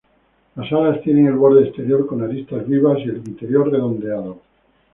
Las alas tienen el borde exterior con aristas vivas, y el interior redondeado.